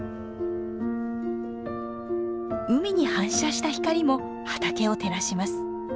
海に反射した光も畑を照らします。